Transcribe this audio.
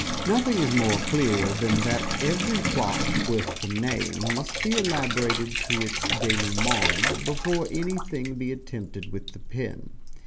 Nothing is more clear than that every plot, worth the name, must be elaborated to its denouement before anything be attempted with the pen.